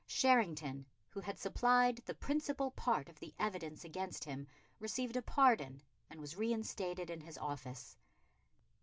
Sherrington, who had supplied the principal part of the evidence against him, received a pardon and was reinstated in his office.